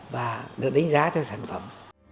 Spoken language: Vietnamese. và được đánh giá theo sản phẩm